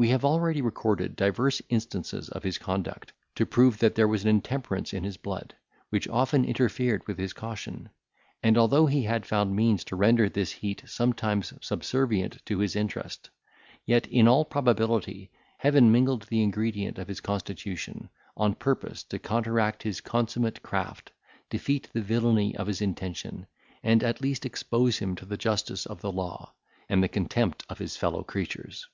We have already recorded divers instances of his conduct to prove that there was an intemperance in his blood, which often interfered with his caution; and although he had found means to render this heat sometimes subservient to his interest, yet, in all probability, Heaven mingled the ingredient in his constitution, on purpose to counteract his consummate craft, defeat the villany of his intention, and at least expose him to the justice of the law, and the contempt of his fellow creatures.